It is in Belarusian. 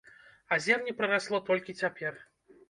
А зерне прарасло толькі цяпер.